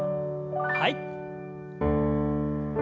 はい。